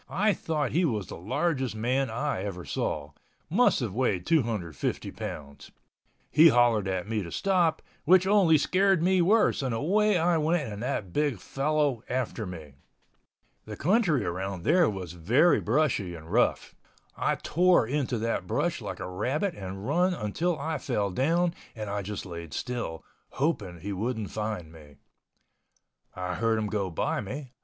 I thought he was the largest man I ever saw—must have weighed 250 pounds. He hollered at me to stop, which only scared me worse and away I went and that big fellow after me. The country around there was very brushy and rough. I tore into that brush like a rabbit and run until I fell down and I just laid still, hoping he wouldn't find me. I heard him go by me.